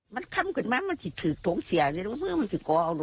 มันทำกันมามันจะถือโถงเสียเพื่อมันจะก่ออาวุธด้วย